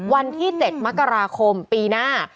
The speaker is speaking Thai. วันที่๗มกราคมปีหน้า